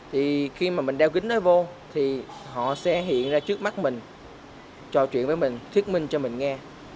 thì khi mà mình đeo kính đó vô thì họ sẽ hiện ra trước mắt mình trò chuyện với mình thuyết minh cho mình nghe